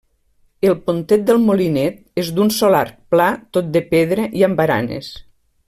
El Pontet del Molinet és d'un sol arc, pla, tot de pedra i amb baranes.